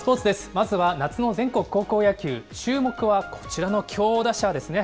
まずは夏の全国高校野球、注目はこちらの強打者ですね。